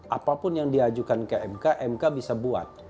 apapun yang diajukan ke mk mk bisa buat